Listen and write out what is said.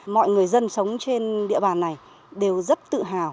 mọi người dân sống trên địa bàn này đều rất tự hào về nhiệm vụ đó